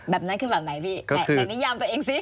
แบบนั้นคือแบบไหนพี่แต่นิยามตัวเองซิ